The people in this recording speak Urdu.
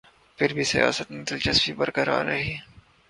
پھر بھی سیاست میں دلچسپی برقرار رہی۔